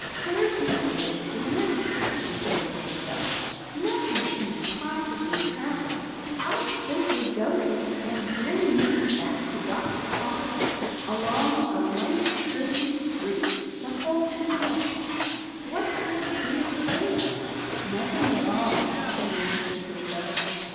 "There's no risk in it," she told herself, "Nothing can possibly happen. I'll simply go there and bring Nick back to Dr. Carl's, along a lighted, busy street, the whole two blocks. What's there to be afraid of?" Nothing at all, she answered herself.